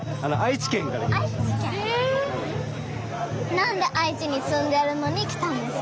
なんで愛知に住んでるのに来たんですか？